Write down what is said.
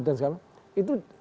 dan segala macam itu